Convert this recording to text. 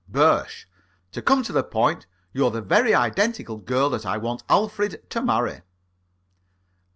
BIRSCH: To come to the point, you're the very identical girl that I want Alfred to marry.